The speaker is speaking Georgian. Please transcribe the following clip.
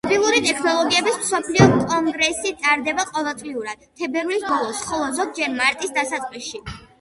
მობილური ტექნოლოგიების მსოფლიო კონგრესი ტარდება ყოველწლიურად, თებერვლის ბოლოს, ხოლო ზოგჯერ მარტის დასაწყისში.